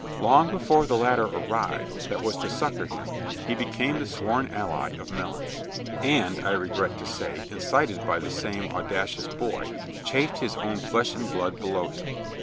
Long before the ladder arrived that was to succor him, he became the sworn ally of Melons, and, I regret to say, incited by the same audacious boy, "chaffed" his own flesh and blood below him.